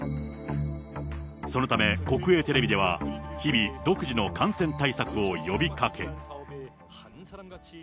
そのため、国営テレビでは日々独自の感染対策を呼びかけ。